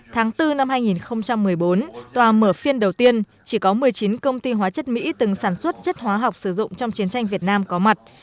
tháng bốn năm hai nghìn một mươi bốn tòa mở phiên đầu tiên chỉ có một mươi chín công ty hóa chất mỹ từng sản xuất chất hóa học sử dụng trong chiến tranh việt nam có mặt